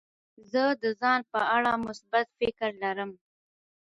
زه د ځان په اړه مثبت فکر لرم.